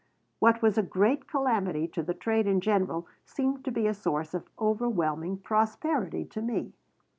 What was a great calamity to the trade in general seemed to be a source of overwhelming prosperity to me.